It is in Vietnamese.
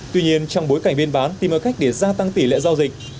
tuy nhiên trong bối cảnh biên bán tìm ra cách để gia tăng tỷ lệ giao dịch